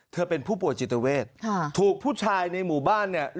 เป็นผู้ป่วยจิตเวทค่ะถูกผู้ชายในหมู่บ้านเนี่ย